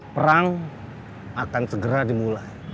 perang akan segera dimulai